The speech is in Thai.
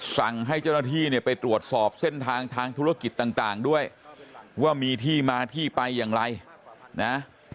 สั่งให้เจ้าหน้าที่เนี่ยไปตรวจสอบเส้นทางทางธุรกิจต่างด้วยว่ามีที่มาที่ไปอย่างไรนะ